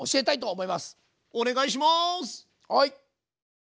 はい。